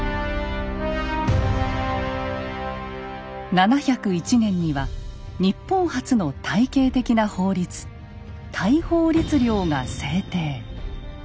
７０１年には日本初の体系的な法律「大宝律令」が制定。